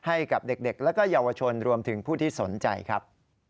ให้กับเด็กและเยาวชนรวมถึงผู้ที่สนใจครับ